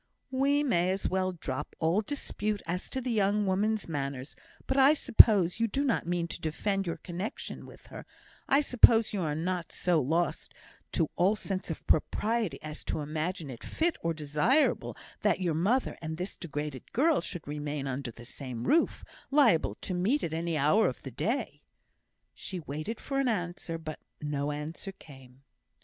"We may as well drop all dispute as to the young woman's manners; but I suppose you do not mean to defend your connexion with her; I suppose you are not so lost to all sense of propriety as to imagine it fit or desirable that your mother and this degraded girl should remain under the same roof, liable to meet at any hour of the day?" She waited for an answer, but no answer came.